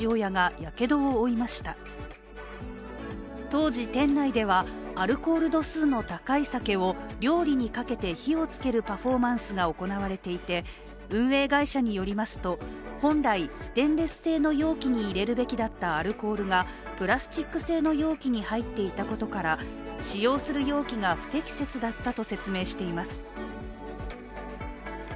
当時、店内ではアルコール度数の高い酒を料理にかけて火をつけるパフォーマンスが行われていて運営会社によりますと、本来、ステンレス製の容器に入れるべきだったアルコールがプラスチック製の容器に入っていたことから使用する容器が不適切だったと説明しています。